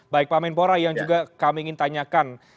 baik pak menpora yang juga kami ingin tanyakan